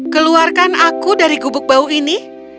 keluarkan aku dari gubuk bau ini